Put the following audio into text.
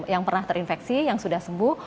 yang pernah terinfeksi yang sudah sembuh